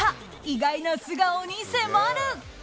意外な素顔に迫る！